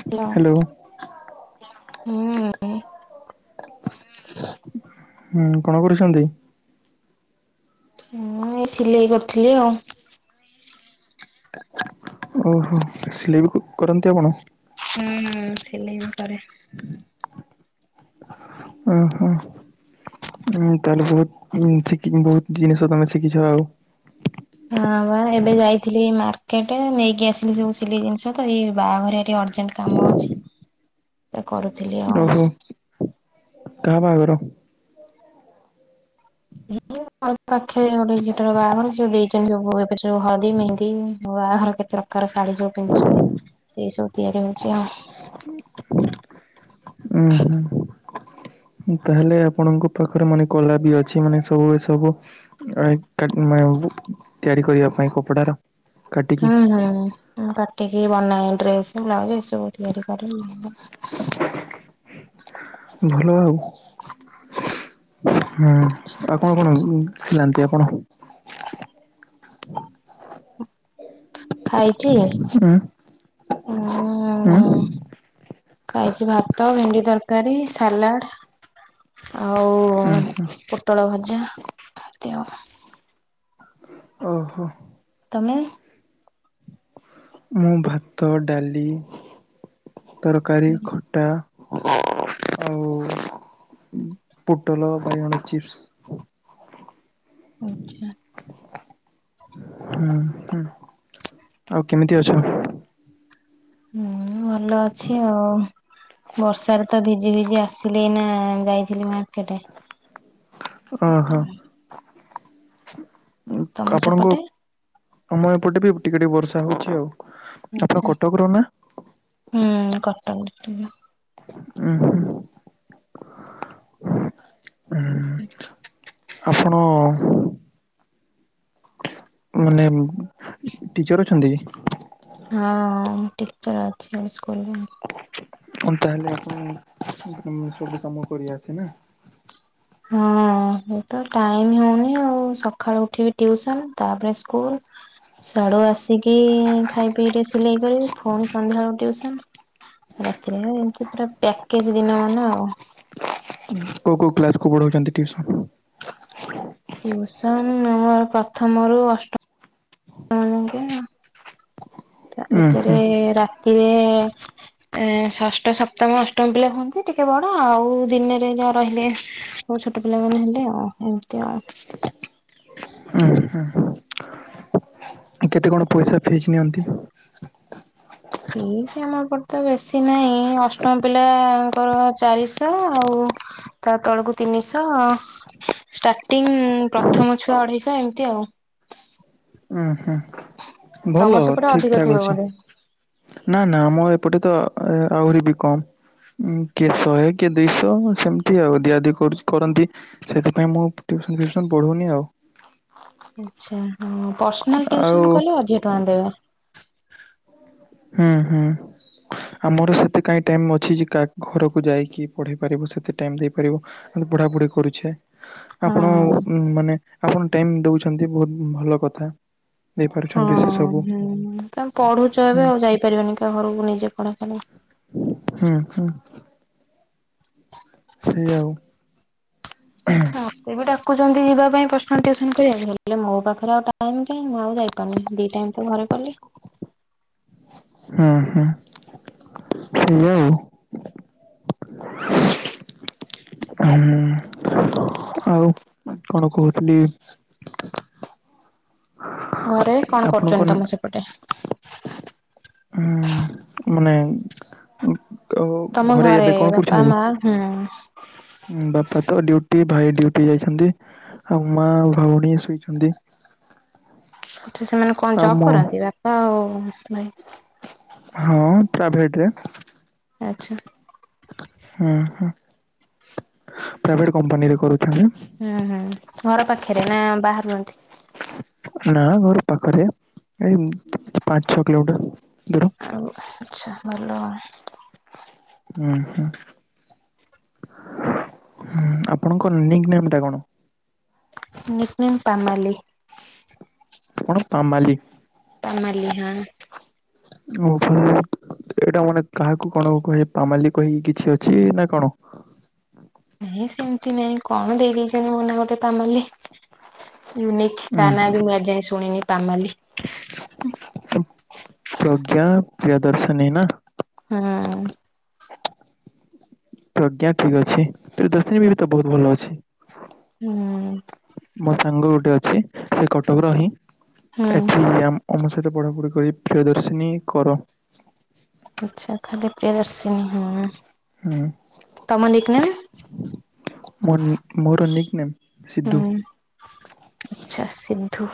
[unintelligible] Hello. ହୁଁ ହୁଁ କଣ କରୁଛନ୍ତି? ମୁଁ ଏ ସିଲେଇ କରିଥିଲି ଆଉ ଓହୋ ସିଲେଇ ବି କରନ୍ତି ଆପଣ। ହୁଁ ସିଲେଇ ବି କରେ। ଉ ହୁଁ। ହଁ ତାହେଲେ ବହୁତ ହୁଁ ଶିଖି ବହୁତ ଜିନିଷ ତମେ ଶିଖିଛ ଆଉ ହଁ ବା ଏବେ ଯାଇଥିଲି ମାର୍କେଟ ନେଇକି ଆସିଲି ସବୁ ସିଲେଇ ଜିନିଷ ତ ଏଇ ବାହାଘରେ ଟିକିଏ ଅର୍ଜେଣ୍ଟ କାମ ଅଛି ଏ କରୁଥିଲି ଆଉ। କା ବାହାଘର? ଉ ଉମ୍ ପାଖରେ ଗୋଟେ ଝିଅଟାର ବାହାଘର ସିଏ ଦେଇଛନ୍ତି ସବୁ ଏ ସବୁ ହଳଦୀ ମେହନ୍ଦି ଆଉ ବାହାଘର କେତେ ପ୍ରକାର ଶାଢୀ ଯୋଉ ପିନ୍ଧୁଛନ୍ତି ସେଇ ସବୁ ତିଆରି ହଉଛି ଆଉ। ଉୁଁ ହୁଁ। ତାହେଲେ ଆପଣଙ୍କ ପାଖରେ ମାନେ କଳା ବି ଅଛି ମାନେ ସବୁବେଳେ ସବୁ ତିଆରି କରିବା ପାଇଁ କପଡା ର ହୁଁ ହୁଁ କାଟିକି ବନାଏ ଡ୍ରେସ ବ୍ଲାଉଜ ଏସବୁ ତିଆରି କରେ। ଭଲ ଆଉ। ହୁଁ ଆଉ କଣ କଣ ଥିଲାନ୍ତି ଆପଣ? ଖାଇଛି। ହୁଁ ଉଁ ହୁଁ। ଖାଇଛି ଭାତ ଭେଣ୍ଡି ତରକାରୀ ସାଲାଡ ଆଉ ଉଁ ପୋଟଳ ଭଜା ଏମିତି ଆଉ। ଓହୋ। ତମେ? ମୁଁ ଭାତ ଡାଲି ତରକାରୀ ଖଟା [inaudible] ଆଉ ପୋଟଲ ବାଇଗଣ ଚିପ୍ସ। ଆଛା। ହୁଁ ହୁଁ ଆଉ କେମିତି ଅଛ? ହୁଁ ଭଲ ଅଛି ଆଉ ବର୍ଷାରେ ତ ଭିଜି ଭିଜି ଆସିଲି ଏଇନା ଯାଇଥିଲି ମାର୍କେଟ। ଓହୋ ତମ ଆପଣଙ୍କୁ ସେପଟେ ଆମ ଏପଟେ ବି ଟିକେ ଟିକେ ବର୍ଷା ହଉଛି ଆଉ। ଆପଣ ଆଛା କଟକର ନା ହୁଁ କଟ। [unintelligible] ଉଁ ହୁଁ ହଁ। ଆ୍ [inaudible] ଆପଣ ମାନେ ଟିଚର ଅଛନ୍ତି କି? ହଁ ମୁ ଟିଚର ଅଛି ଆମ ସ୍କୁଲରେ। ହ ତାହେଲେ ଆପଣ ସବୁ କାମ ସବୁ କାମ କରିଆସେ ନା? ହଁ ମୋର ତ ଟାଇମ ହଉନି ଆଉ ସକାଳୁ ଉଠିବି ଟିଉସନ ତାପରେ ସ୍କୁଲ ସ୍ୟାଡୁ ଆସିକି ଖାଇ ପିଇକି ସିଲେଇ କରିବି ପୁଣି ସନ୍ଧ୍ୟାବେଳୁକୁ ଟିଉସନ। ରାତିରେ ଏମତି ପୁରା ପ୍ୟାକେଜ ଦିନ ମାନେ ଆଉ। କୋଉ କୋଉ କ୍ଲାସ୍କୁ କୁ ପଢ଼ଉଛନ୍ତି ଟିଉସନ୍? ଟିଉସନ ମୋର ପ୍ରଥମରୁ ଅଷ୍ଟ [unintelligible] ତା ଉଁ ହୁଁ ଭିତରେ ରାତିରେ ଏ ଷଷ୍ଠ ସପ୍ତମ ଅଷ୍ଟମ ପିଲା ହୁଅନ୍ତି ଟିକେ ବଡ ଆଉ ଦିନରେ ଯାହା ରହିଲେ ମୋ ଛୋଟ ପିଲା ମାନ ହେଲେ ଆଉ ଏମିତି ଆଉ। ଉଁ ହୁଁ। କେତେ କଣ ପଇସା ଫିସ ନିଅନ୍ତି? ଫିସ ଆମ ଏପଟେ ତ ବେଶୀ ନାହିଁ ଅଷ୍ଟମ ପିଲାଙ୍କର ଚାରିଶହ ଆଉ ତା ତଳକୁ ତିନିଶହ ଷ୍ଟାର୍ଟିଂ ପ୍ରଥମ ଛୁଆ ଅଢେଇଶହ ଏମିତି ଆଉ ଉଁ ହୁଁ ତମ ଭଲ ସେପଟେ ଠିକ ଅଧିକ ଥିବ ଠାକ ଅଛି। ବୋଧେ ନା ନା ଆମର ଏପଟେ ତ ଆହୁରି ବି କମ୍। ଉଁ କିଏ ଶହେ କିଏ ଦିଇଶହ ସେମିତି ଆଉ ଦିଆ ଦି କରୁଛି କରନ୍ତି। ସେଥିପାଇଁ ମୁଁ ଆଉ ଟେଉସନ ଫିଉସନ୍ ପଢଉନି ଆଉ। ଆଛା ହଁ ପର୍ସନାଲ ଆଉ ଟିଉସନ କଲେ ହଜାର ଟଙ୍କା ଦେବ। ହଁ ହଁ। ଆମର ସେତେ କାଇଁ ଟାଇମ ଅଛି ଯେ କା ଘରକୁ ଯାଇକି ପଢେଇ ପାରିବୁ ସେତେ ଟାଇମ ଦେଇପାରିବୁ ହେଲେ ପଢାପୁଢି କରୁଛେ। ଆପଣ ହଁ ମାନେ ଆପଣ ଟାଇମ ଦଉଛନ୍ତି ବହୁତ ଭଲ କଥା। ହଁ ଦେଇପାରୁଛନ୍ତି ସେ ସବୁ ହୁଁ ତମେ ପଢୁଛ ଏବେ ଆଉ ଯାଇପାରିବନି କାହା ଘରକୁ ନିଜେ ପଢା କଲେ। ହୁଁ ହୁଁ। ସେୟା ଆଉ ମତେ ବି ଡାକୁଛନ୍ତି ଯିବା ପାଇଁ ପର୍ସନାଲ ଟିଉସନ କରିବାକୁ ହେଲେ ମୋ ପାଖରେ ଆଉ ଟାଇମ କହିଁ ମୁଁ ଆଉ ଯାଇପାରୁନି। ଦି ଟାଇମ ତ ଘରେ କଲି। ହୁଁ ହୁଁ ସେୟା ଆଉ। ହୁଁ ଆଉ କଣ କହୁଥିଲି? ଘରେ କଣ କରୁଛନ୍ତି ଆପଣଙ୍କ ତମ ସେପଟେ? ହୁଁ ମାନେ ଅ ଆଉ ଘରେ ଏବେ କଣ କରୁଛନ୍ତି? ହଁ। ଉଁ ବାପା ତ ଡିଉଟି ଭାଇ ଡିଉଟି ଯାଇଛନ୍ତି ଆଉ ମା ଆଉ ଭଉଣୀ ଶୋଇଛନ୍ତି। ଆଛ ସେମାନେ କଣ ଆଉ ଜବ୍ ମୁଁ କରନ୍ତି ବାପା ଆଉ ଭାଇ? ହଁ ପ୍ରାଇଭେଟରେ। ଆଚ୍ଛା। ହଁ ହଁ। ପ୍ରାଇଭେଟ କମ୍ପାନୀରେ କରୁଥିଲି। ହୁଁ ହୁଁ ଘର ପାଖରେ ନା ବାହାରୁ ଆଣିଥିଲେ। ନା ଘର ପାଖରେ ଏଇ ପାଞ୍ଚ ଛଅ କିଲୋମିଟର ଦୂର। ଆଉ ଆଚ୍ଛା ଭଲ ଆଉ। ଉଁ ହୁଁ। ହୁଁ ଆପଣଙ୍କ ନିକ୍ ନେମ ଟା କଣ? Nick name ପାମାଲି। କଣ ପାମାଲି? ପାମାଲି ହଁ। ଓହୋ ଏଇଟା ମାନେ କାହାକୁ କଣ କହି ପାମାଲି କହିକି କିଛି ଅଛି ନା କଣ? ନାଇଁ ସେମିତି ନାଇଁ। କଣ ଦେଇ ଦେଇଛନ୍ତି ମୋ ନା ଗୋଟେ ପାମାଲି। ୟୁନିକ୍ ଉଁ ତା ନା ବି ମୁଁ ଆଜି ଯାଏଁ ଶୁଣିନି ପାମାଲି। ପ୍ରଜ୍ଞା ପ୍ରିୟଦର୍ଶନୀ ନା। ହଁ। ପ୍ରଜ୍ଞା ଠିକ୍ ଅଛି। [unintelligible] ବି ତ ବହୁତ ଭଲ ଅଛି। ହୁଁ। ମୋ ସାଙ୍ଗ ଗୋଟେ ଅଛି। ସେ କଟକର ହିିଁ। ହୁଁ ଏଠି ଆମ୍ ଆମ ସହିତ ପଢାପଢି କରି ପ୍ରିୟଦର୍ଶିନୀ କର। ଆଛା ଖାଲି ପ୍ରିୟଦର୍ଶିନୀ ହୁଁ। ତମ ନିକ୍ ନେମ୍। ହୁଁ ମୋ ନିକ୍ ମୋର ନିକ ନେମ୍। ହୁଁ ସିଧୁ ଆଛା ସିନ୍ଧୁ।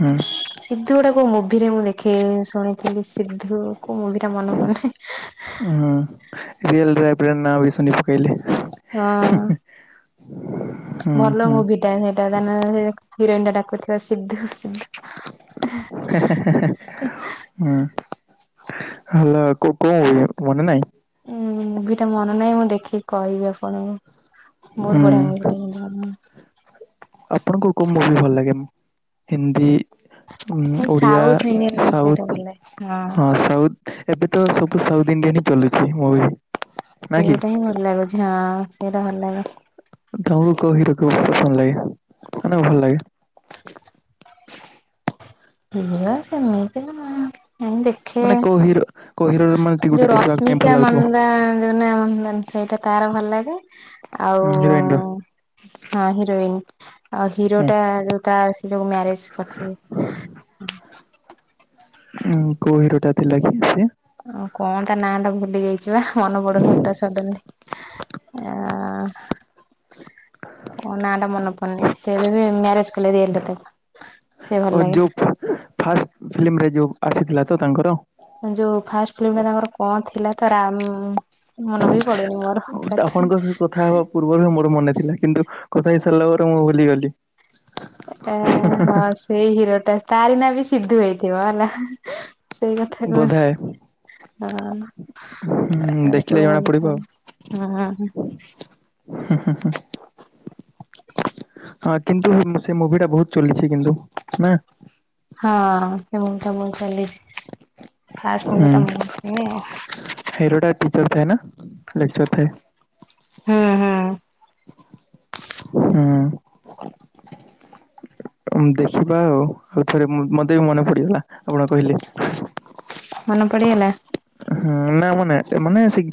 ହୁଁ ଗୋଟେ କୋଉ ମୁଭିରେ ମୁଁ ଦେଖି ଶୁଣିଥିଲି। ସିଦ୍ଧୁ କୋଉ ମୁଭିରେ ମନେ ପଡୁନି। ହୁଁ ରିଅଲ ରେ ଏବେ ନାଁ ବି ଶୁଣି ପାଇଲେ। ହଁ। ହୁଁ ଭଲ ହୁଁ ମୁଭି ଟା। ସେଇଟା ତା ନାଁ ହିରୋଇନଟା ଡାକୁଥିବ ସିଧୁ ସିଧୁ। ହେଁ ହେଁ ହେଁ ହେଁ। ହୁଁ ହାଲୋ କଉ ଇଏ ମନେ ନାଇଁ। ଉଁ ମୁଭି ଟା ମନେ ନାହିଁ ମୁଁ ଦେଖିକି କହିବି ଆପଣଙ୍କୁ ବହୁତ ବଢିଆ ହୁଁ ମୁଭି। ଇନ୍ଦ୍ରଧନୁ। ଆପଣଙ୍କୁ କୋଉ ମୁଭି ଭଲ ଲାଗେନି? ହିନ୍ଦୀ ଉଁ ଓଡିଆ ସାଉଥ ଇଣ୍ଡିଆନ ସେଇଟା ସାଉଥ ଭଲ ଲାଗେ। ହଁ ସାଉଥ। ଏବେ ତ ସବୁ ସାଉଥ ଇଣ୍ଡିଆନ୍ ହିଁ ଚାଲୁଛି ମୁଭି। ନା କି? ସେଇଟା ହିଁ ଭଲ ଲାଗୁଛି। ହଁ ସେଇଟା ଭଲ ଲାଗେ। ତମୁକୁ କଉ ହିରୋ ବାହୁତ ପସନ୍ଦ ଲାଗେ। ମାନେ ଭଲ ଲାଗେ। ମୋର ସେମିତି ନାହିଁ। ମାନେ କଉ ହିରୋ କଉ ହିରୋର ମାନେ ଟିକେ ଯୋଉ ଗୋଟେ ଦେଖିବାକୁ ପାଇଁ ରଶ୍ମିକା ଭଲ ଲାଗୁଥିବ ମନ୍ଦା ନା ଯୋଉ ମନ୍ଦାନ ସେଇଟା ତାର ଭଲ ଲାଗେ। ଆଉ ଉଁ ହିରୋଇନ ର। ଆଁ ହଁ ହିରୋଇନ ଆଉ ହୁଁ ହିରୋଟା ଯୋଉ ତ ସେ ଯୋଉ ମ୍ୟାରେଜ କରିଛି। ହୁଁ କୋଉ ହିରୋଟା ଥିଲା କି ସେ। ଆଉ କଣ ତା ନାଁ ଟା ଭୁଲି ଯାଇଛି ବା। ମନେ ପଡୁନି ହଟାତ୍ ସଡନଲି। ହଁ। କ ନା ଟା ମନେ ପଡୁନି। ସେ ବି ମ୍ୟାରେଜ କଲେ ରିଏଲରେ ତାକୁ ସେ ଭଲ ଓ ଲାଗେ ଯୋଉ ଫାଷ୍ଟ ଫିଲ୍ମରେ ଯୋଉ ଆସିଥିଲା ତ ତାଙ୍କର। ଯୋଉ ଫାଷ୍ଟ୍ ଫିଲ୍ମରେ ତାଙ୍କର କଣ ଥିଲା ତ ରାମ୍ ମନ ବି ପଡୁନି ମୋର ଆପଣଙ୍କ ହଠାତ୍‌। ସହ କଥା ହେବା ପୂର୍ବରୁ ବି ମୋର ମନେ ଥିଲା। କିନ୍ତୁ କଥା ହେଇ ସାରିଲା ପରେ ମୁଁ ଭୁଲିଗଲି। ଏ ହଁ ସେଇ ହିରୋଟା ତାରି ନା ବି ସିଧୁ ହେଇଥିବ ହେଲା। ସେଇ କଥା କହୁଛି। ବୋଧାଏ ହଁ ଆ ହୁଁ ଆ କଉ ଦେଖିଲେ ଜଣା ପଡିବ ମୁଭିଟା ହଁ। ହୁଁ ହୁଁ ହୁଁ। ହଁ କିନ୍ତୁ ସେ ମୁଭି ଟା ବହୁତ ଚାଲିଛି କିନ୍ତୁ ନା। ହଁ ସେ ମୁଭି ଟା ବହୁତ୍ ଚାଲିଛି ଫାଷ୍ଟ୍ ମୁଭିଟା ଭଲ ନୁହେଁ। ହିରୋଟା ଟିଚର ଥାଏ ନା ଲେକ୍ଚର ଥାଏ। ହୁଁ ହୁଁ। ହୁଁ। ଆମ୍ ଦେଖିବା ଆଉ ଆଉ ଥରେ ମୁ ମତେ ବି ମନେ ପଡିଗଲା ଆପଣ କହିଲେ। ମନେ ପଡ଼ିଗଲା। ହୁଁ ନା ମାନେ ମାନେ ସି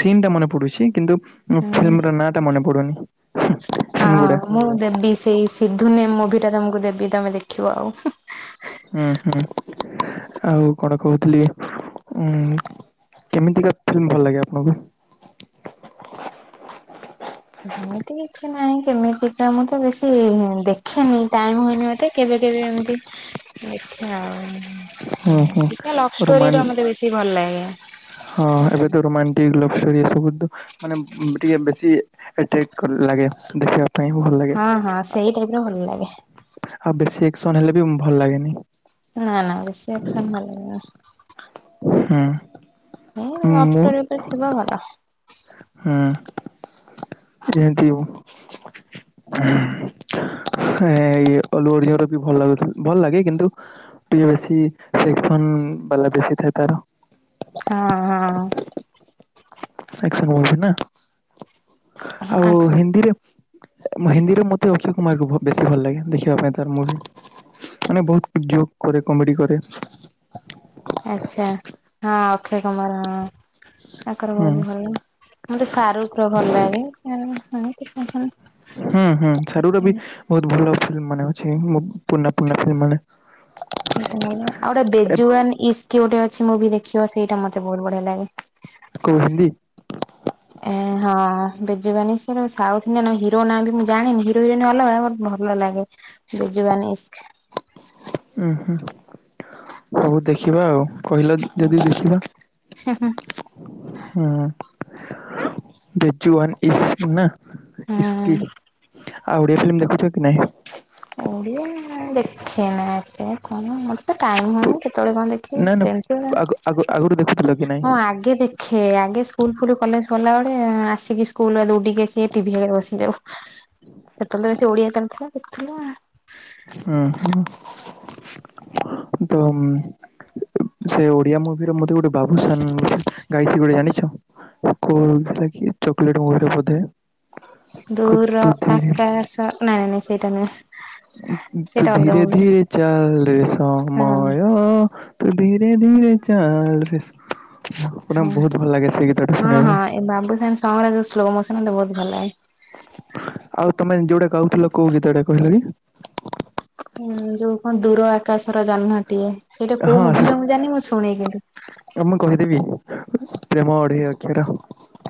ସିନ୍ ଟା ମାନେ ପଡୁଛି କିନ୍ତୁ ହଁ ଫିଲ୍ମ ର ନାଁ ଟା ମନେ ପଡୁନି। ହଁ ସିନ୍ ଗୁଡା ମୁଁ ଦେବି ସେଇ ସିଧୁ ନେମ୍ ମୁଭି ଟା ତମକୁ ଦେବି ତମେ ଦେଖିବ ଆଉ। ହୁଁ ହୁଁ। ଆଉ କଣ କହୁଥିଲି ଉଁ କେମିତିକା ଫିଲ୍ମ ଭଲ ଲାଗେ ଆପଣଙ୍କୁ? ଏମିତି କିଛି ନାହିଁ କେମିତି ତା ମୁଁ ତ ବେଶୀ ଦେଖେନି ଟାଇମ ହୁଏନି ମତେ। କେବେ କେବେ ଏମିତି ଦେଖିଆ ହୁଁ ଆଉ। ହୁଁ ଟିକେ ଲଭଷ୍ଟୋରି ରୋମାନ୍ ର ମତେ ବେଶି ଭଲ ଲାଗେ ସେଟା। [unintelligible] ଲୋଭଷ୍ଟୋରୀ ଏ ସବୁ ମାନେ ଟିକେ ବେଶିଲାଗେ ଦେଖିବା ଟାଇମ ଭଲ ଲାଗେ। ହଁ ହଁ ସେଇ ଟାଇପ ର ଭଲ ଲାଗେ। ଆଉ ବେଶୀ ଏକେସନ ହେଲେ ବି ଭଲ ଲାଗେନି। ନାଁ ନା ବେଶୀ ଆକ୍ସନ ଭଲ ଲାଗେନି। ହୁଁ। ହଁ ମୁଁ ଅଟର ଉପରେ ଥିବ ଭଲ। ହୁଁ [unintelligible] ହଁଇ ଅଲଓଡ଼ଶାର ବି ଭଲ ଲାଗୁ ଭଲ ଲାଗେ କିନ୍ତୁ ଟିକେ ବେଶୀ ସେକ୍ସନ୍ ବାଲା ବେଶୀ ଥାଏ ତାର। ହଁ ହଁ। ସେକେସନ ହଉଚି ନା ଆଉ ଆକ୍ସ ହିନ୍ଦୀରେ ହିନ୍ଦୀରେ ମତେ ଅକ୍ଷୟ କୁମାରରୁ ବେଶୀ ଭଲ ଲାଗେ ଦେଖିବା ପାଇଁ ତାର ମୁଭି। ମାନେ ବହୁତ ଯୋକ କରେ କମେଡି କରେ। ଆଚ୍ଛା ହଁ ଅକ୍ଷୟ କୁମାର ହଁ ତାଙ୍କର ହୁଁ ବହୁତ ଭଲ ମତେ ଶାରୁଖ ର ଭଲ ଲାଗେ ଶାରୁ ଏମିତି ହୁଁ ହୁଁ ସାରୁୁର ବି ବହୁତ ଭଲ ଫିଲ୍ମ ମାନେ ଅଛି ପୁରୁଣା ପୁରୁଣା ଫିଲ୍ମ ମାନେ ଆଉ ଗୋଟେ ଏ- ବେଜୁୱାନ ଇସ୍କ ଗୋଟେ ଅଛି ମୁଭି ଦେଖିବ ସେଇଟା ମତେ ବହୁତ ବଢିଆ ଲାଗେ। [inaudible] କଉହିଲି ଏ ହଁ ବେଜବାନୀ ସେ ସାଉଥ ଇଣ୍ଡିଆନ୍ ହିରୋ ନାଁ ବି ମୁଁ ଜାଣିନି ହିରୋ ହିରୋଇନ୍ ଅଲଗା ବ ଭଲ ଲାଗେ ବେଜ୍ୱନି ଇସ୍କ। ଉୁଁ ହୁଁ ହଉ ଦେଖିବା ଆଉ କହିଲ ଯଦି ଦେଖିବା। ହୁଁ ବେଜୁଅନ୍ ଏସ୍କ ନା। ହୁଁ। ଇସ୍କ୍ ଆଉ ଓଡିଆ ଫିଲ୍ମ ଦେଖୁଛ କି ନାଇଁ? ଓଡିଆ ଦେଖେ ନା ଏତେ କଣ ଏତ ଟାଇମ ହଉନି କେତେବେଳେ କଣ ଦେଖିବି ସେମିତି ନା ଆଗ ଆଗ ଆଗରୁ ଦେଖୁ ହଁ ଆଗେ ଦେଖ ଖେ ଆଗେ ସ୍କୁଲ ଫୁଲ କଲେଜ ପଢ଼ିଲା ବେଳେ ଆସିକି ସ୍କୁଲରୁ ଦୌଡିକି ଆସି ଟିଭି ଆଗରେ ବସିଯାଉ। ସେତେବେଳେ ସେ ଓଡିଆ ଚାଲୁଥିଲା ଦେଖୁଥିଲା ଆଉ। ହୁଁ ହ ତ- ସେ ଓଡିଆ ମୁଭିର ମତେ ଗୋଟେ ବାବୁସାନ ଗାଇଛି ଗୋଟେ ଜାଣିଛ। ପୋକ ହୋଉଥିଲା କି ଚକଲେଟର ବଧେ [unintelligible] ଦୂର ଆକାଶ ନାଇ ନାଇଁ ସେଇଟା ନୁହେଁ। ତୁ ସେଇଟା ଧୀରେ ଧୀରେ ଚାଲେ ସା [unintelligible] ତୁ ଧୀରେ ଧୀରେ ଚାଲ ରେ ହଁ ବହୁତ ଭଲ ଲାଗେ ସେ ଗୀତଟା ହଁ ଶୁଣିବା ହଁ ପାଇଁ। ଏ ବାବୁସାନ୍‌ ର ସଙ୍ଗ ଗୁରା ଯୋଉ ସ୍ଲୋମୋସନ ହେଲେ ବହୁତ ଭଲ ଲାଗେ। ଆଉ ତମେ ଯୋଉଟା ଗାଉଥିଲ କୋଉ ଗୀତ ଟା କହିଲା କି? ହୁଁ ଯୋଉ କଣ ଦୂର ଆକାଶର ଜହ୍ନଟିଏ ସେଇଟା କୋଉ ମୁଭିର ମୁଁ ଜାଣିନି ମୁଁ ଶୁଣେ କିନ୍ତୁ ଏଟା ମୁଁ କହିଦେବି ପ୍ରେମ ଅଢେଇ ଅକ୍ଷର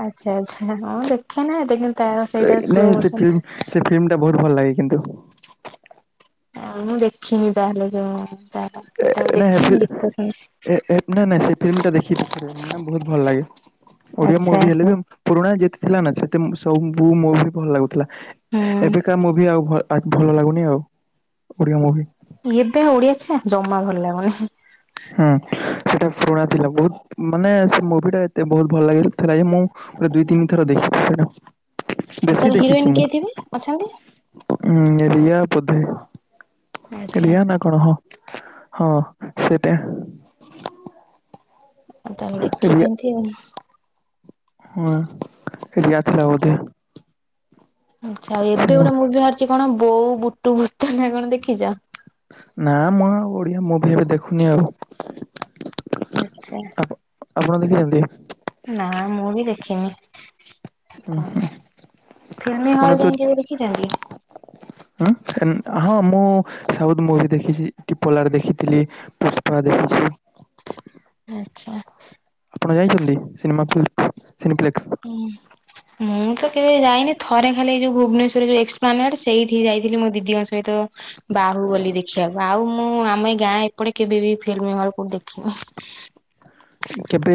ଆଚ୍ଛା ଆଚ୍ଛା ହଁ ଦେଖେ ନା ତା ସେଇଟା ସ୍ଲୋମୋସନ ଥିମ ଟା ବହୁତ ଭଲ ଲାଗେ କିନ୍ତୁ ମୁଁ ଦେଖିନି ତାହେଲେ ଯୋଉ ତାହେଲେ ତା ଟା ମୁଁ ନା ଫି ଦେଖିନି ଗୀତ ଏ ଶୁଣିଛି। ଏ ନା ନା ସେ ଫିଲ୍ମ ଟା ଦେଖିଛି ଥରେ ବହୁତ ଭଲ ଲାଗେ ଓଡିଆ ଆଚ୍ଛା ମୁଭି ହେଲେ ବି- ପୁରୁଣା ଯେତେ ଥିଲା ନା ସେତେ ସବୁୁ ମୋ ବି ଭଲ ଲାଗୁଥିଲା, ହୁଁ ଏବେକା ମୁଁ ବି ଆଉ ଆ ଭଲ ଲାଗୁନି ଆଉ, ଓଡ଼ିଆ ମୁଭି। ଏବେ ଓଡିଆଛେ, ଜମା ଭଲ ଲାଗୁନି। ହୁଁ ସେଟା ପୁରୁଣା ଥିଲା ବହୁତ, ମାନେ ସେ ମୁଭି ଟା ଏତେ ବହୁତ ଭଲ ଲାଗ ଥିଲା ଯେ ମୁଁ ଦୁଇ ତିନି ଥର ଦେଖି ସେଟ ତାର ବେଶୀ ହିରୋଇନ ଦେଖିଛି ମୁଁ କିଏ ଥିବେ ଅଛନ୍ତି? ହଁ ରିଆ ବଧେ ଆଚ୍ଛା ରିଆ ନା? କଣ ହଁ, ହଁ ସେଟା ଆଉ ତାହେଲେ ଦେଖିଛନ୍ତି ଆଉ ହଁ ଏରିଆ ଥିଲା ବୋଧେ [unintelligible] ଆଚ୍ଛା ଆଉ ଏବେ ସେ ମୁ ଗୋଟେ ମୁଭି ବାହାରିଛି କଣ ବୋଉ ବୁଟୁ ଭୂତ ନାଁ କଣ ଦେଖିଛ? ନା ମୁଁ ଆଉ ଓଡିଆ ମୁଭି ଏବେ ଦେଖୁନି ଆଉ ଆଛା, ଆପ ଆପଣ ଦେଖିଛନ୍ତି? ନା ମୁଁ ବି ଦେଖିନି। ହୁଁ କଣ ଫିଲ୍ମ ଆପଣ ହଲ୍ ତ ଯାଇ କେବେ ଦେଖିଛନ୍ତି? ହଁ ମୁଁ ସାଉଥ ମୁଭି ଦେଖିଛି ଟିପୋଲାରେ ଦେଖିଥିଲି। ପୁଷ୍ପା ଦେଖଛି। ଆଛା। ଆପଣ ଯାଇଛନ୍ତି [unintelligible] ସିନିପ୍ଲେକ୍ସ ହୁଁ ଉଁ ମୁଁ ତ କେବେ ଯାଇନି, ଥରେ ଖାଲି ଯୋଉ ଭୁବନେଶ୍ୱରରେ ଯୋଉ ଏକ୍ସପ୍ଲାନର ସେଇଠି ଯାଇଥିଲି ମୋ ଦିଦିଙ୍କ ସହିତ ବାହୁ ବଲି ଦେଖିବାକୁ ଆଉ ମୁଁ ଆମ ଏ ଗାଁ ଏପଟେ କେବେ ବି ଫିଲ୍ମ ହଲ କୋଉଠି ଦେଖିନି। କେବେ?